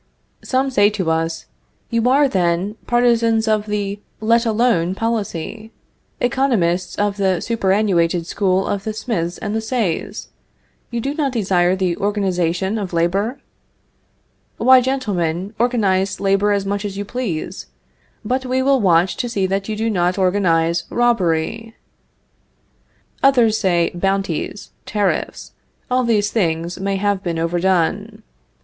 Some say to us: You are, then, partisans of the let alone policy? economists of the superannuated school of the Smiths and the Says? You do not desire the organization of labor? Why, gentlemen, organize labor as much as you please, but we will watch to see that you do not organize robbery. Others say, bounties, tariffs, all these things may have been overdone.